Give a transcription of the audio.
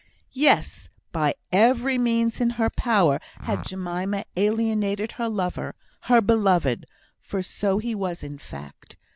Yes! by every means in her power had Jemima alienated her lover, her beloved for so he was in fact.